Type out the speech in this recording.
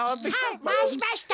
はいまわしました。